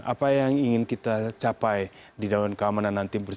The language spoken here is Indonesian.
apa yang ingin kita capai di dewan keamanan nanti